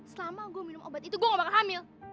selama gue minum obat itu gue gak bakal hamil